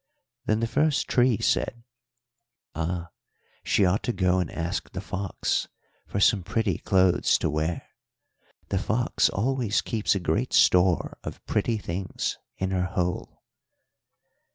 "Then the first tree said, 'Ah, she ought to go and ask the fox for some pretty clothes to wear. The fox always keeps a great store of pretty things in her hole.'